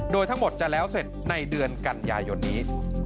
โดยทั้งหมดจะแล้วเสร็จในเดือนกันยายนนี้